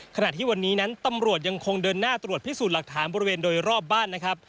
ขณะที่วันนี้นั้นตำรวจยังคงเดินหน้าตรวจพิสูจน์หลักฐานบริเวณโดยรอบบ้านนะครับ